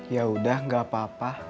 yaudah enggak apa apa